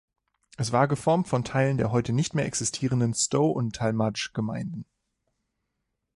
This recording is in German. Es war geformt von Teilen der heute nicht mehr existierenden Stow und Tallmadge-Gemeinden.